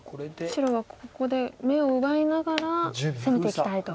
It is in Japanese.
白はここで眼を奪いながら攻めていきたいと。